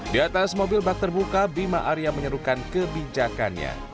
di atas mobil bak terbuka bima arya menyerukan kebijakannya